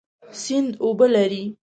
سیند اوبه لري.